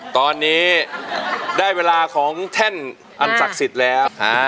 ตอนนี้ได้เวลาของแท่นอันศักดิ์สิทธิ์แล้ว